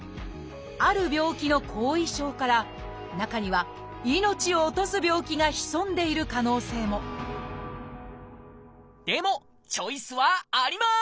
ある病気の後遺症から中には命を落とす病気が潜んでいる可能性もでもチョイスはあります！